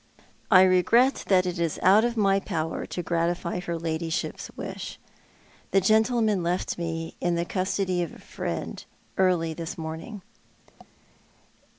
" I regret that it is out of my power to gratify her ladyship's wish. The gentleman left me, in the custody of a friend, early this morning."